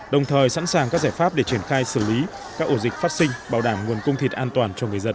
đồng thời sẵn sàng các giải pháp để triển khai xử lý các ổ dịch phát sinh bảo đảm nguồn cung thịt an toàn cho người dân